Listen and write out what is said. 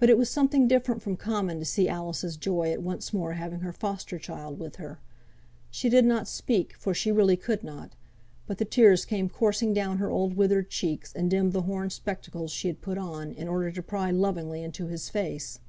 But it was something different from common to see Alice's joy at once more having her foster child with her. She did not speak, for she really could not; but the tears came coursing down her old withered cheeks, and dimmed the horn spectacles she had put on, in order to pry lovingly into his face.